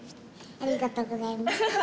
ありがとうございます。